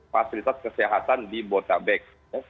fasilitas kesehatan di botabek